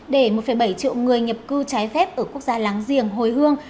để một bảy triệu người nhập cư trái phép ở quốc gia láng giềng hồi hương